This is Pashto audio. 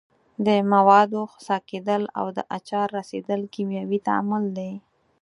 د موادو خسا کیدل او د آچار رسیدل کیمیاوي تعامل دي.